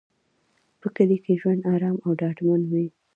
په کلي کې ژوند ارام او ډاډمن وي.